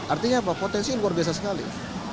artinya apa potensi luar biasa sekali